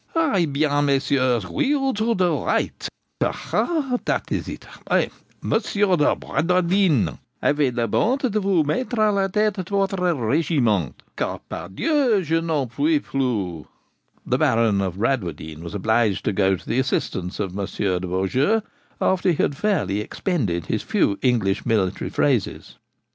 'Eh bien, Messieurs, wheel to de right. Ah! dat is it! Eh, Monsieur de Bradwardine, ayez la bonte de vous mettre a la tete de votre regiment, car, par Dieu, je n'en puis plus!' The Baron of Bradwardine was obliged to go to the assistance of Monsieur de Beaujeu, after he had fairly expended his few English military phrases.